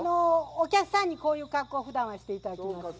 お客さんにこういう格好をふだんはしていただきます。